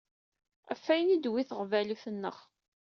Ɣef wayen i d-tewwi teɣbalut-nneɣ.